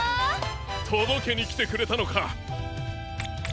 とどけにきてくれたのか！